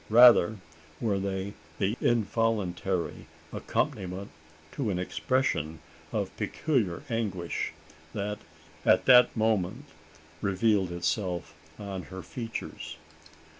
Rather were they the involuntary accompaniment to an expression of peculiar anguish, that at that moment revealed itself on her features.